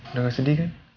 udah gak sedih kan